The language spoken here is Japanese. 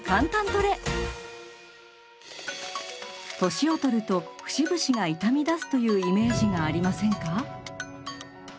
年を取ると節々が痛みだすというイメージがありませんか？